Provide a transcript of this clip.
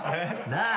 なあ。